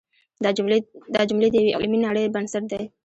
دا جملې د یوې علمي نړۍ بنسټ دی.